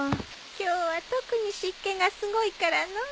今日は特に湿気がすごいからのう。